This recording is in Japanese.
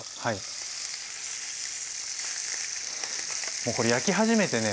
もうこれ焼き始めてね